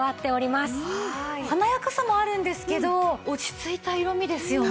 華やかさもあるんですけど落ち着いた色味ですよね。